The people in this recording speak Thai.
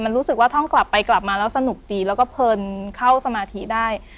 มันรู้สึกว่าท่องกลับไปกลับมาแล้วสนุกดีแล้วก็เพลินเข้าสมาธิได้